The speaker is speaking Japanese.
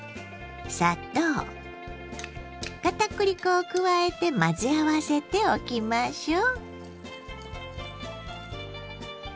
を加えて混ぜ合わせておきましょう。